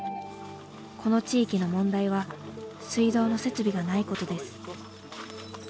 この地域の問題は水道の設備がないことです。